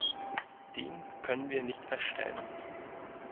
Den können wir nicht feststellen.